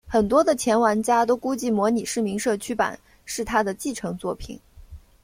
很多的前玩家都估计模拟市民社区版是它的继承作品。